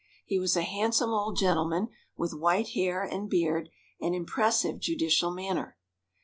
He was a handsome old gentleman, with white hair and beard and impressive judicial manner.